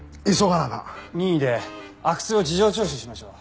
任意で阿久津を事情聴取しましょう。